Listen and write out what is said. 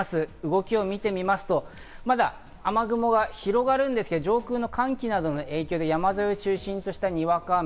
動きを見ると雨雲が広がるんですが、上空の寒気の影響で、山沿いを中心としたにわか雨。